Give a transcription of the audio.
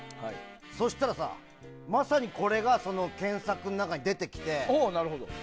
そしたらさ、まさにこれが検索の中に出てきて。